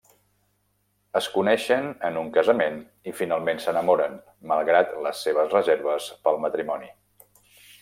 Es coneixen en un casament i finalment s’enamoren, malgrat les seves reserves pel matrimoni.